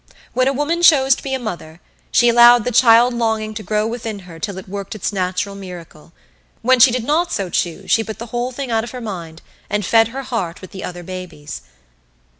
When a woman chose to be a mother, she allowed the child longing to grow within her till it worked its natural miracle. When she did not so choose she put the whole thing out of her mind, and fed her heart with the other babies.